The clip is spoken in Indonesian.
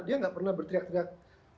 dia tidak pernah bertiak tiak